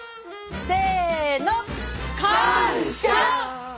せの！